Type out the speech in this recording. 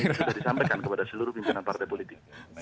ini sudah disampaikan kepada seluruh pimpinan partai politik